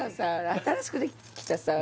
新しくできたさあ